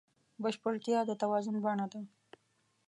بشپړتیا د توازن بڼه ده.